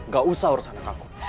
gak usah harus anak aku